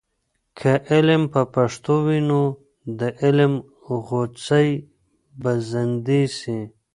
که علم په پښتو وي، نو د علم غوڅۍ به زندې سي.